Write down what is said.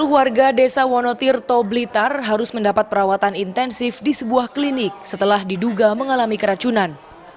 sepuluh warga desa wonotirto blitar harus mendapat perawatan intensif di sebuah klinik setelah diduga mengalami keracunan